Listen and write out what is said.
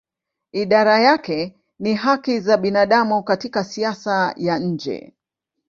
Idara yake ni haki za binadamu katika siasa ya nje.